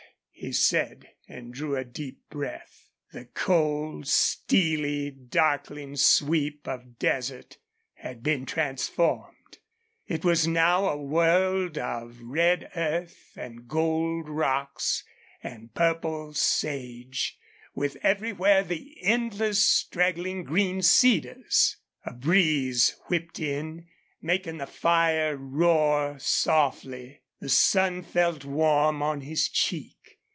he said, and drew a deep breath. The cold, steely, darkling sweep of desert had been transformed. It was now a world of red earth and gold rocks and purple sage, with everywhere the endless straggling green cedars. A breeze whipped in, making the fire roar softly. The sun felt warm on his cheek.